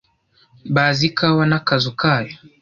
bazi ikawa n'akazu kayo